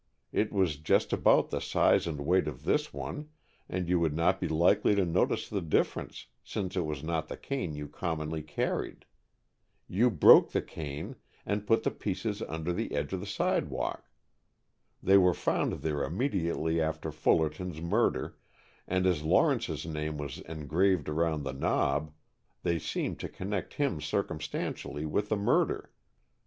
It was just about the size and weight of this one, and you would not be likely to notice the difference since it was not the cane you commonly carried. You broke the cane, and put the pieces under the edge of the sidewalk. They were found there immediately after Fullerton's murder, and as Lawrence's name was engraved around the knob, they seemed to connect him circumstantially with the murder.